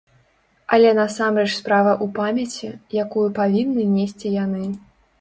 Але насамрэч справа ў памяці, якую павінны несці яны.